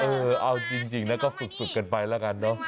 ดูจังเลยเอ้อเอาจริงน่ะก็ฝึกกันไปละกันนะ